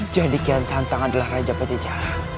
jadi kian santang adalah raja pateja